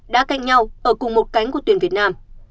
đá cạnh nhau ở cùng một cánh của tuyển việt nam